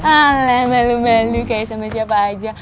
oleh malu malu kayak sama siapa aja